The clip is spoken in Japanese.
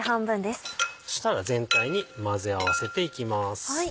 そしたら全体に混ぜ合わせていきます。